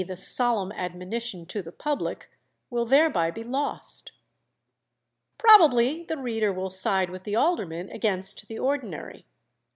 _ the solemn admonition to the public, will thereby be lost." Probably the reader will side with the aldermen against the ordinary.